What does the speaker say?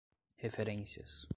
referências